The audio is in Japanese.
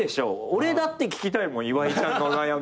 俺だって聞きたいもん岩井ちゃんの悩み。